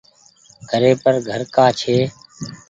گهري پر گهر ڪآ ڇي۔